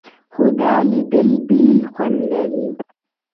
خو دا لیدل بېل خوند لري.